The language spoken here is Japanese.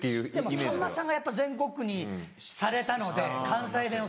でもさんまさんがやっぱ全国区にされたので関西弁を。